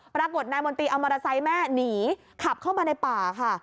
ปรากฏนายมนตรีเอามอเตอร์ไซค์แม่หนีขับเข้ามาในป่าค่ะ